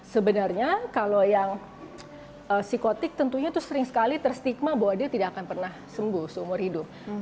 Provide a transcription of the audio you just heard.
sebenarnya kalau yang psikotik tentunya itu sering sekali terstigma bahwa dia tidak akan pernah sembuh seumur hidup